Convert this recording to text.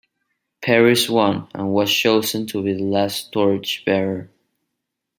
Peris won and was chosen to be the last torchbearer.